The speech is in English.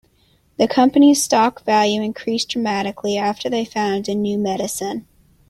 The company's stock value increased dramatically after they found a new medicine.